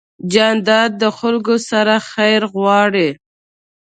جانداد د خلکو سره خیر غواړي.